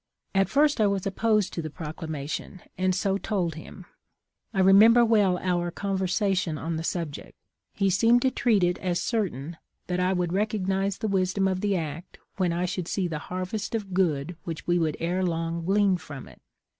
At first I was opposed to the Proclamation, and so told him. I remember well our conversation on the subject. He seemed to treat it as certain that I would recognize the wis dom of the act when I should see the harvest of good which we would ere long glean from it.